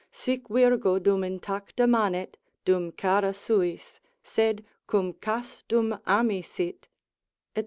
Sic virgo dum intacta manet, dum chara suis, sed Cum Castum amisit, &c.